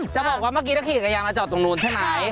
จะบอกว่าเมื่อกี้ถ้าขี่กระยามาจอดตรงนู้นใช่ไหม